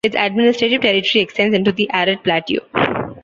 Its administrative territory extends into the Arad Plateau.